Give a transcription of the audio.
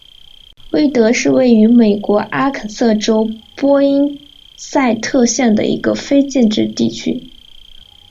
威德是位于美国阿肯色州波因塞特县的一个非建制地区。